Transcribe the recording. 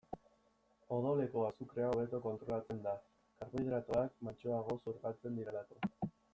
Odoleko azukrea hobeto kontrolatzen da, karbohidratoak mantsoago xurgatzen direlako.